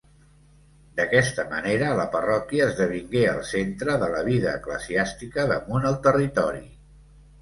D'aquesta manera, la parròquia esdevingué el centre de la vida eclesiàstica damunt el territori.